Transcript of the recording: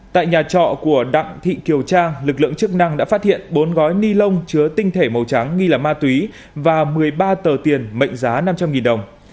tại nhà trọ của đặng thị kiều trang lực lượng chức năng đã phát hiện bốn gói ni lông chứa tinh thể màu trắng nghi là ma túy và một mươi ba tờ tiền mệnh giá năm trăm linh đồng